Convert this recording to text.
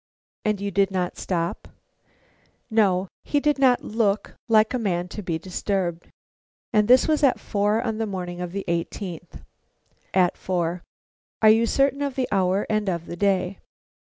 "And you did not stop?" "No, he did not look like a man to be disturbed." "And this was at four on the morning of the eighteenth?" "At four." "You are certain of the hour and of the day?"